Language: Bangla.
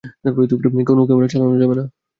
কোনও ক্যামেরা চালানো যাবে না!